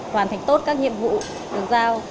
hoàn thành tốt các nhiệm vụ được giao